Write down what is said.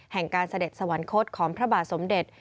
การเสด็จสวรรคตของพระบาทสมเด็จ